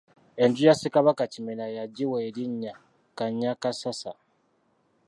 Enju ya Ssekabaka Kimera yagiwa erinnya Kannyakassasa.